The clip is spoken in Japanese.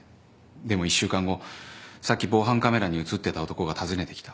でも１週間後さっき防犯カメラに映ってた男が訪ねてきた。